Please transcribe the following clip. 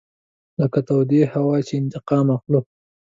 لکه له تودې هوا چې انتقام اخلو.